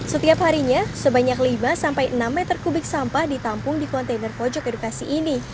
setiap harinya sebanyak lima sampai enam meter kubik sampah ditampung di kontainer pojok edukasi ini